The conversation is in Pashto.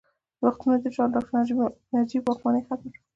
وختونه تېر شول او ډاکټر نجیب واکمني ختمه شوه